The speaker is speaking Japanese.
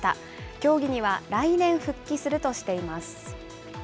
競技には来年復帰するとしています。